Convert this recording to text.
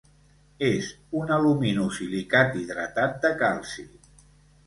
És un aluminosilicat hidratat de calci.